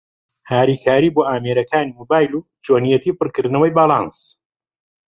هاریکارى بۆ ئامێرەکانى مۆبایل و چۆنیەتى پڕکردنەوەى باڵانس